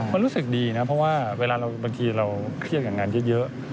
มันรู้สึกดีนะเพราะว่าเวลาบางทีเราเครียดกับงานเยอะ